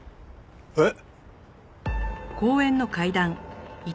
えっ？